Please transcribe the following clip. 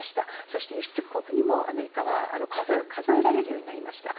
そして輸出国にもアメリカは数えられるようになりました。